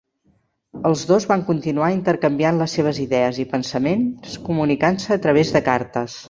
Els dos van continuar intercanviant les seves idees i pensaments comunicant-se a través de cartes.